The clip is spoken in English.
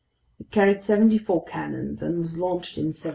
It carried seventy four cannons and was launched in 1762.